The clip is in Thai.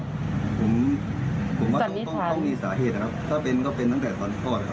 ผมต้องมีสาเหตุนะครับถ้าเป็นก็เป็นแต่ตอนตามราชคลอด